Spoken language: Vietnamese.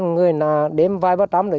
người nào đem vai bắt đám môi trường